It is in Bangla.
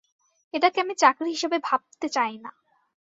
এটাকে আমি চাকরি হিসাবে ভাবতে চাই না।